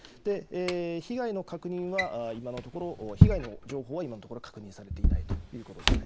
被害の確認は今のところ、被害の情報は今のところ確認されていないということですね。